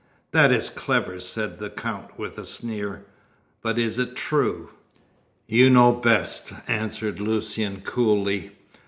"That is clever," said the Count, with a sneer. "But is it true?" "You know best," answered Lucian, coolly.